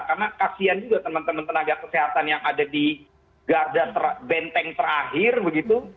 karena kasian juga teman teman tenaga kesehatan yang ada di benteng terakhir begitu